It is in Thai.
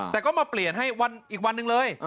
แต่ก็มาเปลี่ยนให้อีกวันหนึ่งเลย